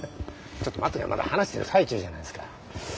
ちょっと待ってよまだ話してる最中じゃないっすか。